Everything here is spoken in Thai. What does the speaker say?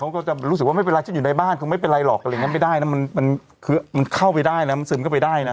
เขาก็จะรู้สึกว่าไม่เป็นไรฉันอยู่ในบ้านคงไม่เป็นไรหรอกอะไรอย่างเงี้ไม่ได้นะมันคือมันเข้าไปได้นะมันซึมเข้าไปได้นะ